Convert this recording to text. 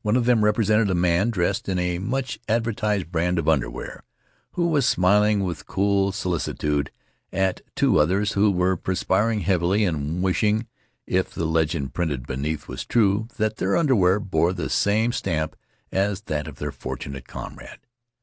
One of them represented a man, dressed in a much advertised brand of underwear, who was smiling with cool solicitude at two others who were perspiring heavily and wishing — if the legend printed beneath was true — that their underwear bore the same stamp as that of their fortunate comrade.